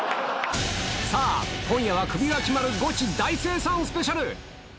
さあ、今夜はクビが決まるゴチ大精算スペシャル。